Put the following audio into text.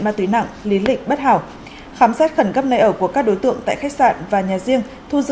ma túy nặng lý lịch bất hảo khám xét khẩn cấp nơi ở của các đối tượng tại khách sạn và nhà riêng